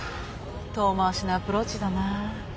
遠回しなアプローチだな。